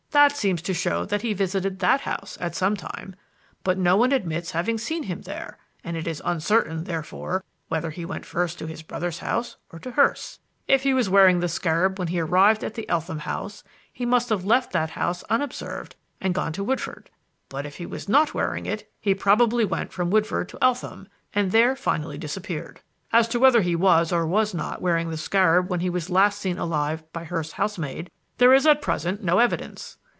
That seems to show that he visited that house at some time. But no one admits having seen him there; and it is uncertain, therefore, whether he went first to his brother's house or to Hurst's. If he was wearing the scarab when he arrived at the Eltham house, he must have left that house unobserved and gone to Woodford; but if he was not wearing it he probably went from Woodford to Eltham, and there finally disappeared. As to whether he was or was not wearing the scarab when he was last seen alive by Hurst's housemaid, there is at present no evidence.